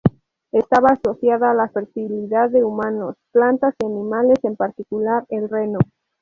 Estaba asociada a la fertilidad de humanos, plantas y animales, en particular, el reno.